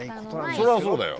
そりゃそうだよ